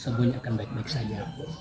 sungguhnya akan baik baik saja